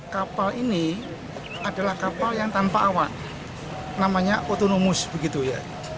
kapal ini adalah kapal yang tanpa awak namanya autonomus begitu ya